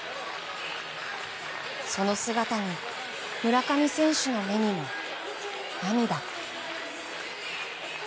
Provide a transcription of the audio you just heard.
その姿に、村上選手の目にも涙。